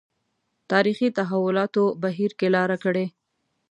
تاریخي تحولاتو بهیر کې لاره کړې.